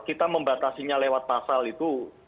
kita membatasinya lewat pasal itu